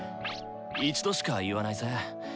一度しか言わないぜ。